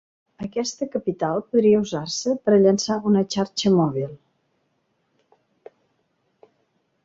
Aquest capital podria usar-se per a llançar una xarxa mòbil.